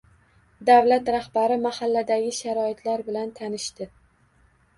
Davlat rahbari mahalladagi sharoitlar bilan tanishdi